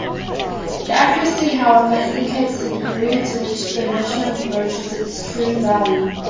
The accuracy, however, indicates the degree to which a measurement approaches its "true" value.